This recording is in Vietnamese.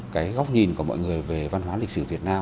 cái góc nhìn của mọi người về văn hóa lịch sử